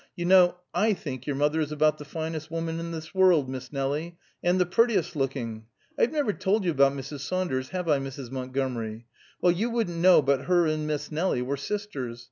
You know I think your mother is about the finest woman in this world, Miss Nelie, and the prettiest looking. I've never told you about Mrs. Saunders, have I, Mrs. Montgomery? Well, you wouldn't know but her and Miss Nelie were sisters.